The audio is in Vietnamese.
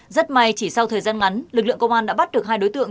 rất may chỉ sau thời gian ngắn lực lượng công an đã bắt được hai đối tượng